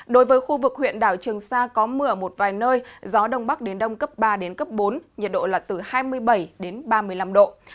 đối với khu vực huyện đảo trường sa có mưa ở một vài nơi gió đông bắc đến đông cấp ba đến cấp bốn nhiệt độ là từ hai mươi bảy đến ba mươi năm độ